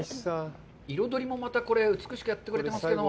彩りもまた美しくやってくれてますけども。